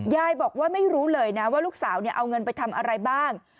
ยายบอกว่าไม่รู้เลยนะว่าลูกสาวเอาเงินไปทำอะไรบ้าง